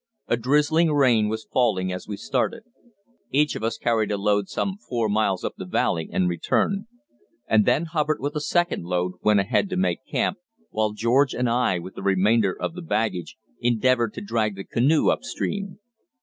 A drizzling rain was falling as we started. Each of us carried a load some four miles up the valley and returned; and then Hubbard, with a second load, went ahead to make camp, while George and I, with the remainder of the baggage, endeavoured to drag the canoe upstream.